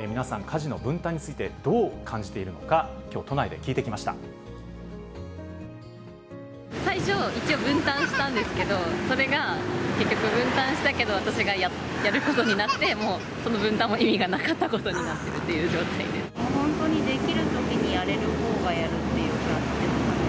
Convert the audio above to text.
皆さん、家事の分担についてどう感じているのか、きょう都内で聞いてきま最初、一応分担したんですけど、それが結局、分担したけど、私がやることになって、もうその分担も意味がなかったことになってるってい本当にできるときに、やれるほうがやるっていう感じですかね。